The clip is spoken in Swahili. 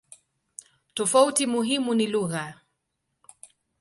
Tofauti muhimu ni lugha.